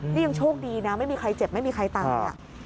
นี่ยังโชคดีนะไม่มีใครเจ็บไม่มีใครตาย